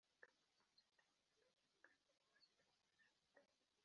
a Ni iki ugomba gukora mbere y uko ubatizwa